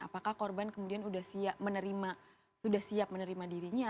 apakah korban kemudian sudah siap menerima dirinya